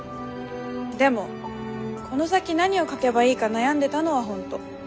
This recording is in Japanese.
でもこの先何を書けばいいか悩んでたのは本当。